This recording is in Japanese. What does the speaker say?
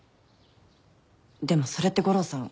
でもそれって悟郎さん